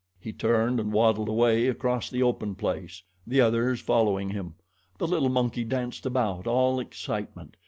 He turned and waddled away across the open place, the others following him. The little monkey danced about, all excitement.